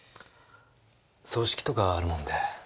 葬式とかあるもんで。